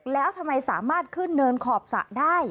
แล้วทำไมสามารถขึ้นเนินขอบสระได้